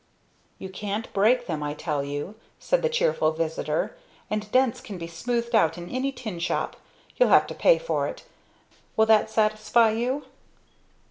"You can't break them, I tell you," said the cheerful visitor, "and dents can be smoothed out in any tin shop you'll have to pay for it; will that satisfy you?"